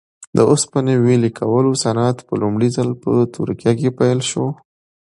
د اوسپنې ویلې کولو صنعت په لومړي ځل په ترکیه کې پیل شو.